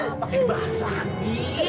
apa dibahas lagi